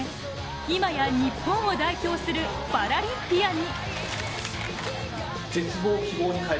今や日本を代表するパラリンピアンに。